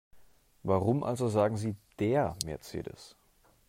Warum also sagen Sie DER Mercedes?